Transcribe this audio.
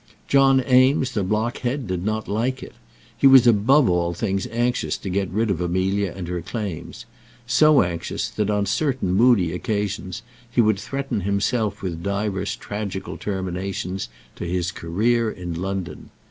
John Eames, the blockhead, did not like it. He was above all things anxious to get rid of Amelia and her claims; so anxious, that on certain moody occasions he would threaten himself with diverse tragical terminations to his career in London.